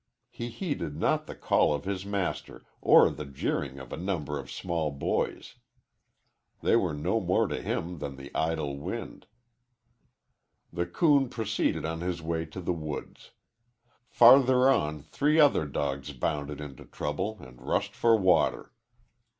He heeded not the call of his master or the jeering of a number of small boys. They were no more to him than the idle wind. The coon proceeded on his way to the woods. Farther on three other dogs bounded into trouble, and rushed for water.